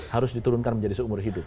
harus diturunkan menjadi seumur hidup